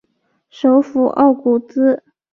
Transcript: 首府奥古兹。